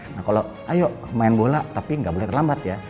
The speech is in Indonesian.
nah kalau ayo main bola tapi nggak boleh terlambat ya